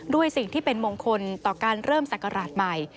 ด้วยสิ่งที่เป็นมงคลต่อการเริ่มศักราชใหม่